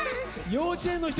幼稚園の人！